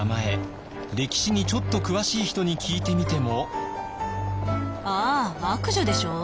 歴史にちょっと詳しい人に聞いてみても。